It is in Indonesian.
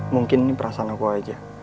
mungkin ini perasaan aku aja